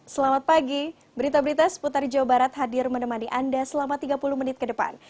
selamat pagi berita berita seputar jawa barat hadir menemani anda selama tiga puluh menit ke depan